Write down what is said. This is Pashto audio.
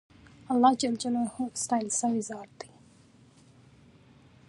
اللهﷻ ستایل سوی ذات دی.